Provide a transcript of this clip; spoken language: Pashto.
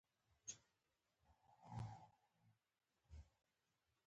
نو د خپل وړکتوب د لوبو میدان ته به ضرور ورتللم.